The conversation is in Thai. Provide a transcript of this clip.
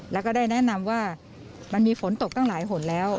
แล้วก็ได้แนะนำว่ามันมีฝนตกตั้งหลายหนแล้ว